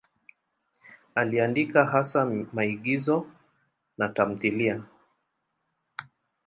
Aliandika hasa maigizo na tamthiliya.